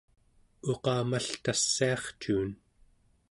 uqamaltassiarcuun